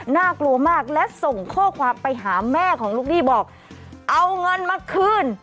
น่ากลัวมากและส่งข้อความไปหาแม่ของลูกหนี้บอกเอาเงินมาคืน